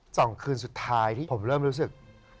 สองคืนสุดท้ายที่ผมเริ่มรู้สึก